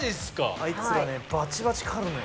あいつらねバチバチ刈るのよ。